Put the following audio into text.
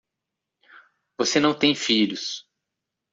Você não tem filhos.